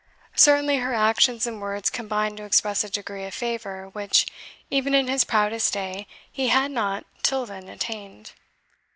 Certainly her actions and words combined to express a degree of favour which, even in his proudest day he had not till then attained.